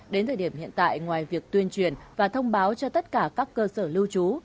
đến thời điểm hiện tại ngoài việc tuyên truyền và thông báo cho tất cả các cơ sở lưu trú